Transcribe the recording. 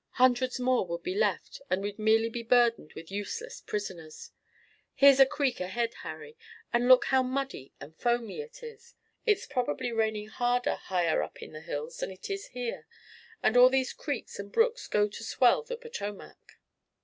Hundreds more would be left and we'd merely be burdened with useless prisoners. Here's a creek ahead, Harry, and look how muddy and foamy it is! It's probably raining harder higher up in the hills than it is here, and all these creeks and brooks go to swell the Potomac."